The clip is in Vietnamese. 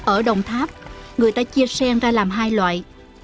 ở đồng tháp người ta chia sen ra làm hai loại